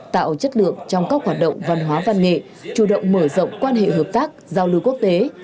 tạo chất lượng trong các hoạt động văn hóa văn nghệ chủ động mở rộng quan hệ hợp tác giao lưu quốc tế